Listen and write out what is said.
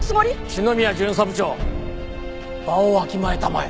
篠宮巡査部長場をわきまえたまえ。